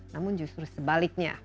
namun justru sebaliknya